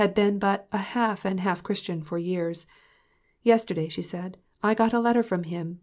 been but a half and half Christian for years. "Yesterday," she said, "I got a letter from him.